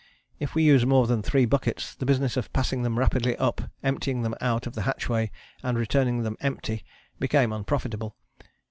If we used more than three buckets the business of passing them rapidly up, emptying them out of the hatchway, and returning them empty, became unprofitable.